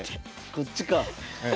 こっちか。